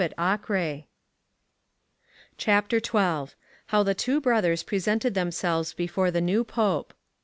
CHAPTER XII. How THE Two Brothers presented themselves before the NEW Pope.